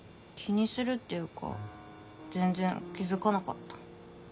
気にするっていうか全然気付かなかった。